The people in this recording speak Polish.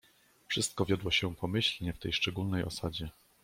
"Wszystko wiodło się pomyślnie w tej szczególnej osadzie."